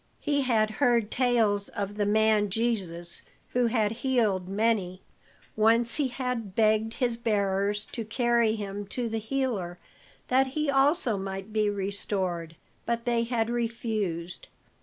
He had heard tales of the man Jesus, who had healed many; once he had begged his bearers to carry him to the healer that he also might be restored, but they had refused.